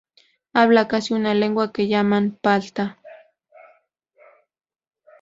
Hablan casi una lengua que llaman Palta.